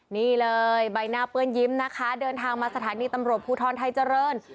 นี่เลยใบหน้าเปื้อนยิ้มนะคะเดินทางมาสถานีตำรวจภูทรไทยเจริญ